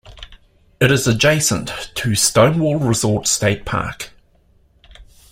It is adjacent to Stonewall Resort State Park.